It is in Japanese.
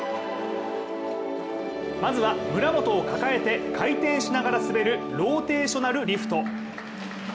まずは村元を抱えて回転しながら滑るローテーショナルリフト。